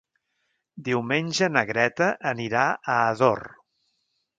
Diumenge na Greta anirà a Ador.